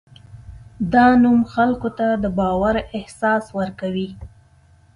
دا نوم خلکو ته د باور احساس ورکوي.